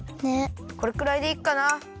これくらいでいいかな。